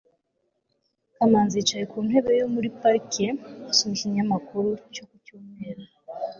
manzi yicaye ku ntebe yo muri parike asoma ikinyamakuru cyo ku cyumweru